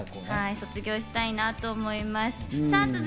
卒業したいと思います。